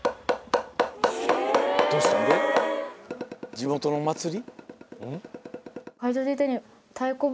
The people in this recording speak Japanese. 地元のお祭り？